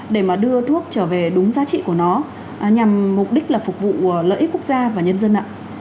để mà đưa thuốc trở về đúng giá trị của nó nhằm mục đích là phục vụ lợi ích quốc gia và nhân dân ạ